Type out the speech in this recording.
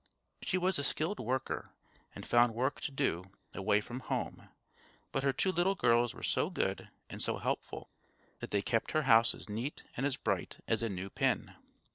She was a skilled worker, and found work to do away from home, but her two little girls were so good and so helpful that they kept her house as neat and as bright as a new pin.